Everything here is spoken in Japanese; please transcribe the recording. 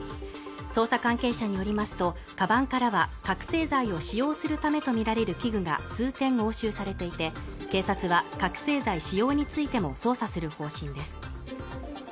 捜査関係者によりますとかばんからは覚醒剤を使用するためと見られる器具が数点押収されていて警察は覚醒剤使用についても捜査する方針です